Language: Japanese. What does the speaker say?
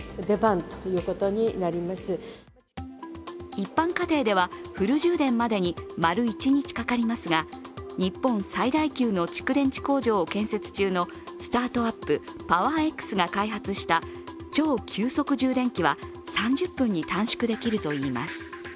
一般家庭ではフル充電までに丸一日かかりますが日本最大級の蓄電池工場を建設中のスタートアップ・パワーエックスが開発した超急速充電器は３０分に短縮できるといいます。